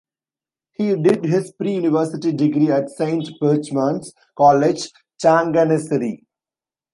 He did his preuniversity degree at Saint Berchmans College, Changanassery.